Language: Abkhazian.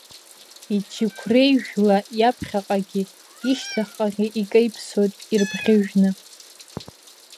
Иџьықәреижәла иаԥхьаҟагьы, ишьҭахь-ҟагьы икаиԥсоит ирбӷьыжәны.